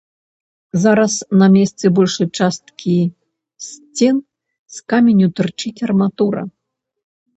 Зараз на месцы большай часткі сцен з каменю тырчыць арматура.